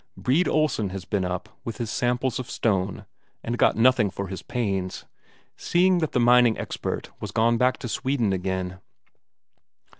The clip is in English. Brede Olsen has been up, with his samples of stone, and got nothing for his pains, seeing that the mining expert was gone back to Sweden again.